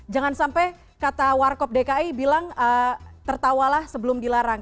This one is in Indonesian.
jangan sampai kata warkop dki bilang tertawalah sebelum dilarang